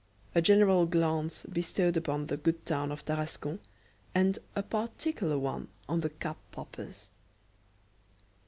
A general glance bestowed upon the good town of Tarascon, and a particular one on "the cap poppers."